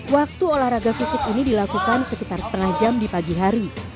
waktu olahraga fisik ini dilakukan sekitar setengah jam di pagi hari